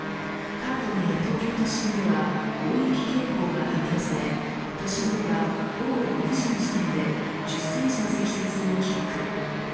関東や東京都心では大雪警報が発表され都心では午後６時の時点で１０センチの積雪を記録。